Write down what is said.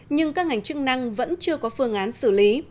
nhưng các ngành chức năng vẫn chưa có phương án xử lý